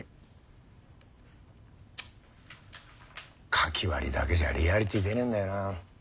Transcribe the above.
書き割りだけじゃリアリティー出ねえんだよな。